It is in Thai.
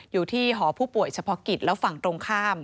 อยู่ที่หอผู้ป่วยเฉพาะกิจแล้วฝั่งตรงข้าม